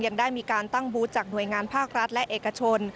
ยังได้มีการตั้งบูธจากหน่วยงานภาครัฐและเอกชน